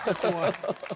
ハハハハ。